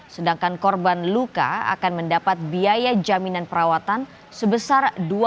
sedangkan korban luka akan mendapat biaya jaminan perawatan sebesar dua puluh juta rupiah